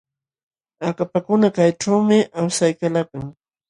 Akapakuna kallićhuumi awsaykalakan.